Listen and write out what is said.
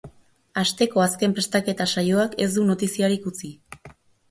Asteko azken prestaketa saioak ez du notiziarik utzi.